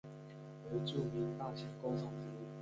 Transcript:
为著名大型观赏植物。